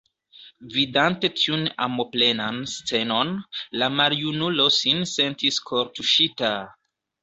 Vidante tiun amoplenan scenon, la maljunulo sin sentis kortuŝita.